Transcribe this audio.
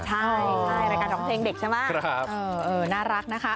ใช่ใช่รายการทำเพลงเด็กใช่ไหมครับเออเออน่ารักนะคะ